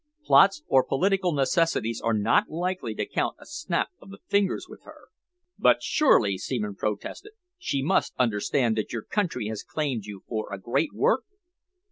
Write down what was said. Plots or political necessities are not likely to count a snap of the fingers with her." "But surely," Seaman protested, "she must understand that your country has claimed you for a great work?"